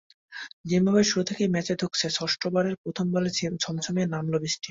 Zimbabwe শুরু থেকেই ম্যাচে ধুঁকেছে ষষ্ঠ ওভারের প্রথম বলে ঝমঝমিয়ে নামল বৃষ্টি।